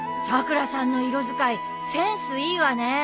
さくらさんの色使いセンスいいわね。